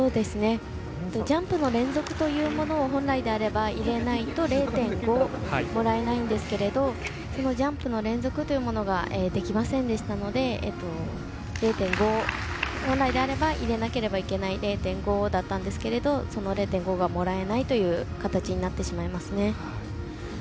ジャンプの連続というものを本来であれば入れないと０．５もらえないんですけれどそのジャンプの連続というものができませんでしたので本来であれば入れなければいけない０．５だったんですけれどもその０．５がもらえないという形になってしまいますね。